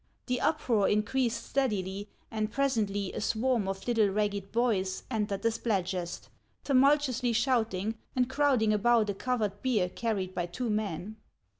The uproar increased steadily, and presently a swarm of little ragged boys entered the Spladgest, tumultuously shout ing and crowding about a covered bier carried by two men.